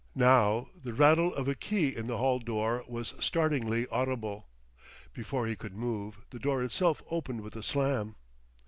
Now the rattle of a key in the hall door was startlingly audible. Before he could move, the door itself opened with a slam.